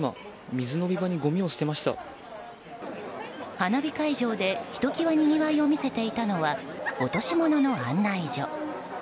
花火会場でひときわにぎわいを見せていたのは落とし物の案内所。